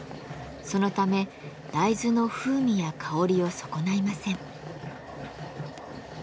そのため大豆の風味や香りを損ないません。